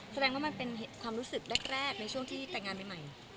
แสดงว่ามันเป็นความรู้สึกแรกในช่วงที่แต่งงานใหม่